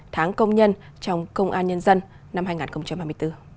tháng công nhân trong công an nhân dân năm hai nghìn hai mươi bốn